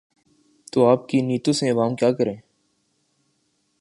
تو آپ کی نیتوں سے عوام کیا کریں؟